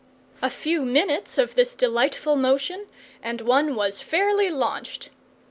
A few minutes of this delightful motion, and one was fairly launched.